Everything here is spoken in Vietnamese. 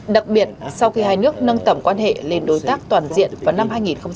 đặc biệt sau khi hai nước nâng tầm quan hệ lên đối tác toàn diện vào năm hai nghìn một mươi